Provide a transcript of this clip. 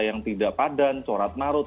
ada yang tidak padan corak narut